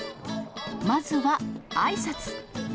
まずは、あいさつ。